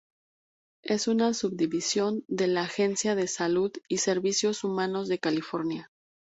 Es una subdivisión de la Agencia de Salud y Servicios Humanos de California.